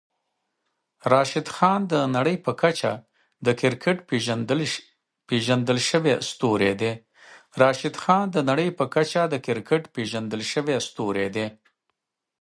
راشدخان د نړۍ په کچه د کريکيټ پېژندل شوی ستوری دی.